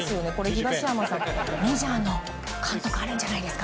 東山さん、メジャーの監督あるんじゃないですか？